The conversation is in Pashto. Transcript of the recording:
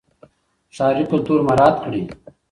ښاري کلتور مراعات کړئ.